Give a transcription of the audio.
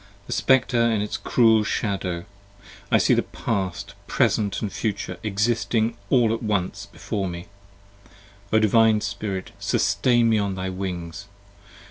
The Spectre & its cruel Shadow. I see the Past, Present & Future, existing all at once Before me; O Divine Spirit sustain me on thy wings!